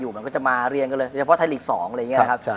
มันก็จะมาเรียงกันเลยเฉพาะไทยลีก๒อะไรอย่างนี้นะครับ